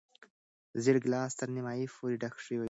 زېړ ګیلاس تر نیمايي پورې ډک شوی و.